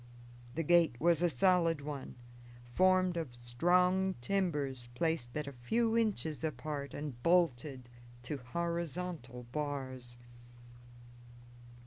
The gate was a solid one, formed of strong timbers placed at a few inches apart and bolted to horizontal bars.